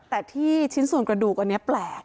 แต่ที่ชิ้นส่วนกระดูกอันนี้แปลก